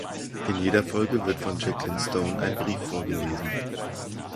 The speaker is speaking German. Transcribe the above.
In jeder Folge wird von Jacqueline Stone ein Brief vorgelesen.